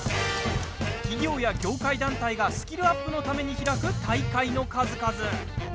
企業や業界団体がスキルアップのために開く大会の数々。